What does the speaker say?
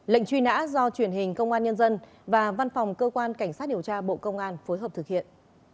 lệnh truy nã do truyền hình công an nhân dân và văn phòng cơ quan cảnh sát điều tra bộ công an phối hợp thực hiện